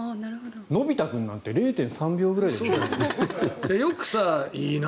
のび太くんなんて０．３秒ぐらいですよね。